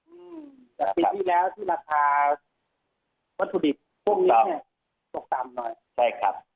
อืมจากปีที่แล้วที่ราคาวัตถุดิบพวกนี้เนี้ยตกต่ำหน่อยใช่ครับ